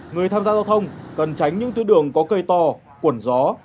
người tham gia giao thông cần tránh những tư đường có cây to cuộn gió